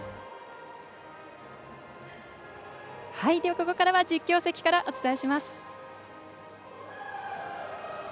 ここからは実況席からお伝えします。